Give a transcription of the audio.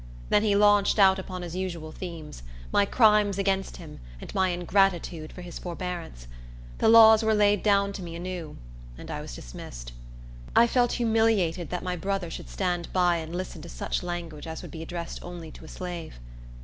Then he launched out upon his usual themes,—my crimes against him, and my ingratitude for his forbearance. The laws were laid down to me anew, and I was dismissed. I felt humiliated that my brother should stand by, and listen to such language as would be addressed only to a slave.